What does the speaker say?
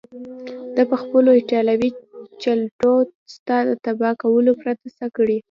ده پخپلو ایټالوي چلوټو ستا د تباه کولو پرته څه کړي.